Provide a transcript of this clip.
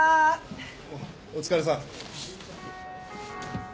おっお疲れさん。